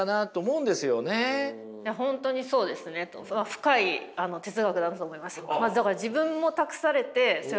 深い哲学だと思います。